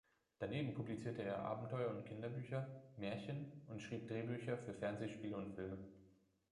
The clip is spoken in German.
Daneben publizierte er Abenteuer- und Kinderbücher, Märchen und schrieb Drehbücher für Fernsehspiele und Filme.